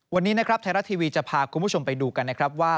วันนี้นะครับไทยรัฐทีวีจะพาคุณผู้ชมไปดูกันนะครับว่า